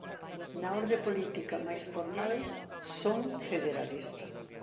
na orde política máis formal, son federalista.